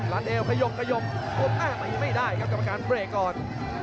ร้านเอ๋วขยบหัวไหมให้ไม่ได้ครับกรรมการเบรกก่อน